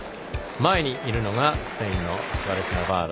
前にいるのがスペインのスアレス・ナバーロ。